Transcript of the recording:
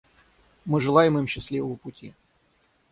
Мы желаем им счастливого пути.